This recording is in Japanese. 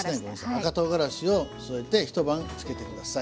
赤とうがらしを添えて一晩つけてください。